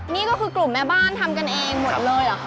นี่ก็คือกลุ่มแม่บ้านทำกันเองหมดเลยเหรอคะ